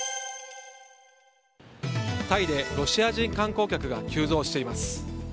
タイでロシア人観光客が急増しています。